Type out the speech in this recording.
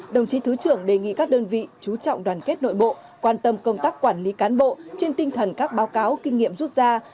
đồng chí thứ trưởng đề nghị các đơn vị chú trọng đoàn kết nội bộ quan tâm công tác quản lý cán bộ trên tinh thần các báo cáo kinh nghiệm rút ra